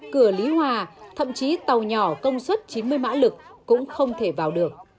cửa lý hòa thậm chí tàu nhỏ công suất chín mươi mã lực cũng không thể vào được